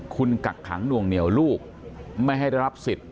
คุณกักขังหน่วงเหนียวลูกไม่ให้ได้รับสิทธิ์